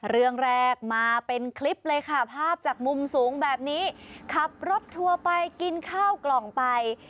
เรื่องแรกมาเป็นคลิปเลยค่ะภาพจากมุมสูงแบบนี้ขับรถทัวร์ไปกินข้าวกล่องไป